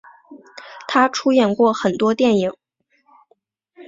她出演过很多电影。